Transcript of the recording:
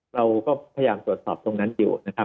เราก็พยายามตรวจสอบตรงนั้นอยู่